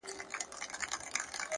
هره هڅه د بریا پر لور ګام دی!